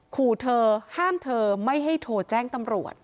ขู่เธอห้ามเธอไม่ให้โทรแจ้งตำรวจ